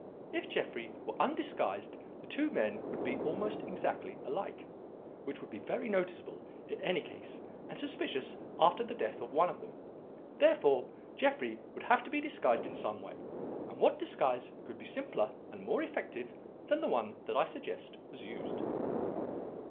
If Jeffrey were undisguised the two men would be almost exactly alike; which would be very noticeable in any case and suspicious after the death of one of them. Therefore Jeffrey would have to be disguised in some way; and what disguise could be simpler and more effective than the one that I suggest was used?